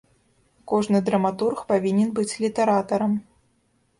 Кожны драматург павінен быць літаратарам.